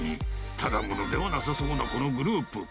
ただものではなさそうなこのグループ。